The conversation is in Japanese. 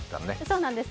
そうなんです。